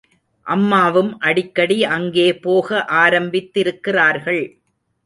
அம்மாவும் அடிக்கடி அங்கே போக ஆரம்பித்திருக்கிறார்கள்.